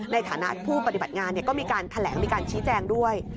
ในฐานะผู้ปฏิบัติงานก็มีการแถลงมีการชี้แจงด้วย